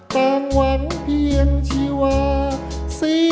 ตั้งวันเพียงชีวา๑๐ปี